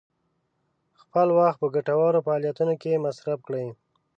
خپل وخت په ګټورو فعالیتونو کې مصرف کړئ.